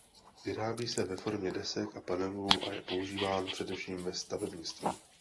Vyrábí se ve formě desek a panelů a je používán především ve stavebnictví.